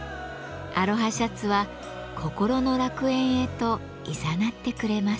アロハシャツは心の楽園へといざなってくれます。